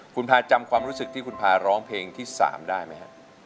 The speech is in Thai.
คุณพาจำความรู้สึกที่คุณพาร้องเพลงที่๓ได้ไหมครับ